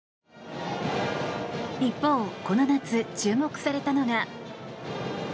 一方、この夏注目されたのが。